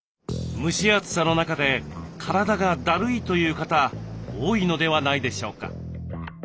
蒸し暑さの中で体がだるいという方多いのではないでしょうか？